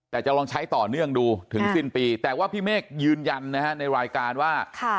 แต่จะลองใช้ต่อเนื่องดูถึงสิ้นปีแต่ว่าพี่เมฆยืนยันนะฮะในรายการว่า